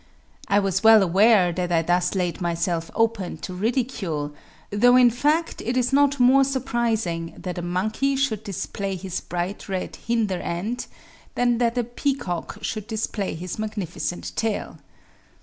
I was well aware that I thus laid myself open to ridicule; though in fact it is not more surprising that a monkey should display his bright red hinder end than that a peacock should display his magnificent tail.